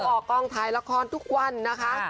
ออกกองถ่ายละครทุกวันนะคะ